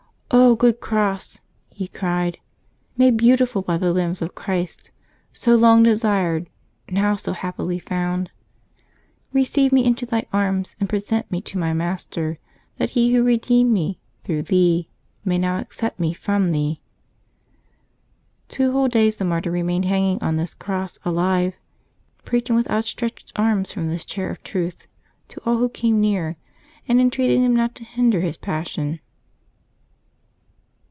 " good cross !" he cried, " made beautiful by the limbs of Christ, so long desired, now so happily found ! Eeceive me into thy arms and present me to my Master, that He Who redeemed me through thee may now accept me from thee." Two whole days the martyr remained hanging on this cross alive, preaching, with outstretched arms from this chair of truth, to all who came near, and entreating them not to hinder his passion.